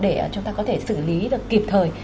để chúng ta có thể xử lý được kịp thời